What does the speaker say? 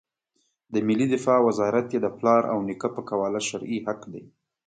د ملي دفاع وزارت یې د پلار او نیکه په قواله شرعي حق دی.